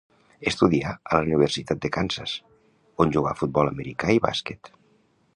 Estudià a la Universitat de Kansas, on jugà a futbol americà i bàsquet.